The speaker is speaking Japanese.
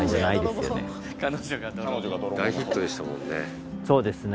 大ヒットでしたもんね。